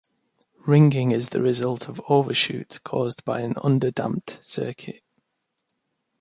Ringing is the result of overshoot caused by an underdamped circuit.